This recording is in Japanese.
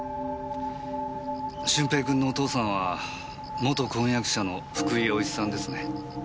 駿平君のお父さんは元婚約者の福井陽一さんですね。